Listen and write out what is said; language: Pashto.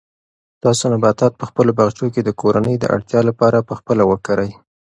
تاسو نباتات په خپلو باغچو کې د کورنۍ د اړتیا لپاره په خپله وکرئ.